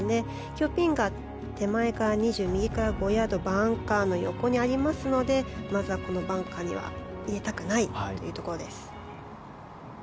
今日ピンが手前から２０右から５ヤードバンカーの横にありますのでまずはこのバンカーには入れたくないというところです。